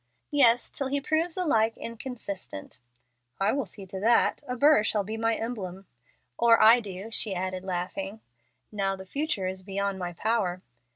"Yes, till he proves alike inconstant." "I will see to that. A burr shall be my emblem." "Or I do," she added, laughing. "Now the future is beyond my power."